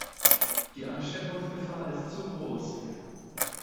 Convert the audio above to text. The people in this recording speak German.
Die Ansteckungsgefahr ist zu groß.